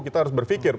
kita harus berpikir